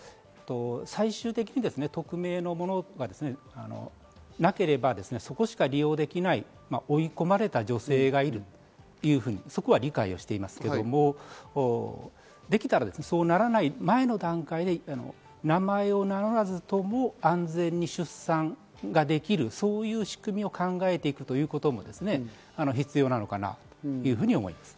最終的に匿名のものがなければ、そこしか利用できない、追い込まれた女性がいるというふうに理解はしていますが、できたらそうならない、前の段階で名前を名乗らずとも安全に出産ができる、そういう仕組みを考えることも必要なのかなと思います。